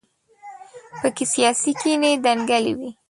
په کې سیاسي کینې دنګلې وي.